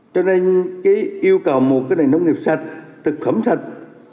cho nên cái yêu cầu một cái nền nông nghiệp sạch thực phẩm sạch